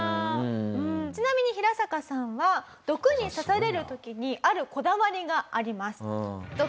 ちなみにヒラサカさんは毒に刺される時にあるこだわりがあります。